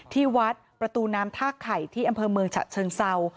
ที่วัดประตูน้ำท่าไข่ที่อำเภอเมืองฉะเชิงเศร้า